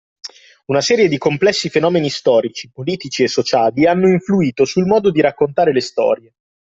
Una serie di complessi fenomeni storici, politici e sociali hanno influito sul modo di raccontare le storie